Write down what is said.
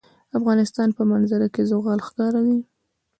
د افغانستان په منظره کې زغال ښکاره ده.